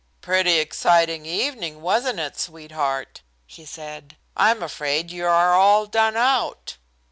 "Pretty exciting evening, wasn't it, sweetheart?" he said. "I'm afraid you are all done out."